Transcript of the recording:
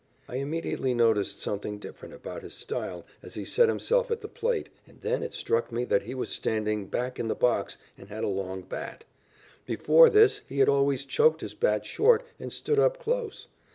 I immediately noticed something different about his style as he set himself at the plate, and then it struck me that he was standing back in the box and had a long bat. Before this he had always choked his bat short and stood up close.